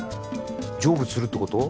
成仏するってこと？